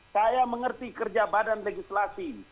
saya mengerti kerja badan legislasi